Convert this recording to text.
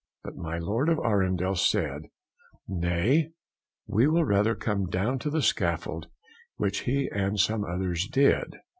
But my Lord of Arundel said, nay, we will rather come down to the scaffold, which he and some others did.